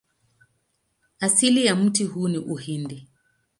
Asili ya mti huu ni Uhindi.